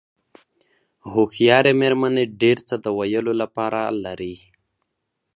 هوښیارې مېرمنې ډېر څه د ویلو لپاره لري.